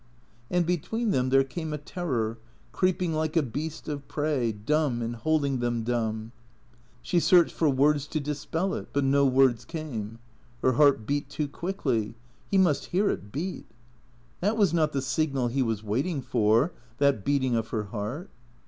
And between them there came a terror, creeping like a beast of prey, dumb, and holding them dumb. She searched for words to dispel it, but no words came; her heart beat too quickly ; he must hear it beat. That was not the signal he was waiting for, that beating of her heart.